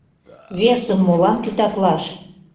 Весым молан титаклаш?